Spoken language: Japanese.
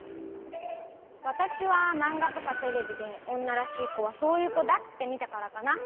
わたしはまんがとかテレビでおんならしいこはそういうこだってみたからかな。